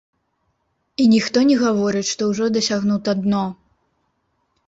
І ніхто не гаворыць, што ўжо дасягнута дно.